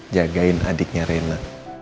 jagain adiknya rena